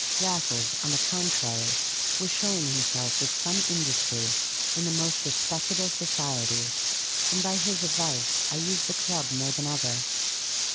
Raffles, on the contrary, was showing himself with some industry in the most respectable society, and by his advice I used the club more than ever.